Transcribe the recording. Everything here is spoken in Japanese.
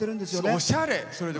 おしゃれ！